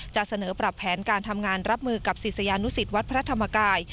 จะเสนอปรับแผนการทำงานรับมือกับศิษยานุสิตวัดพระธรรมกาย